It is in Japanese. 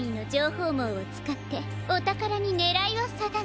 もうをつかっておたからにねらいをさだめ。